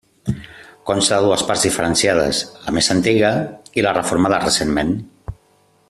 Consta de dues parts diferenciades, la més antiga i la reformada recentment.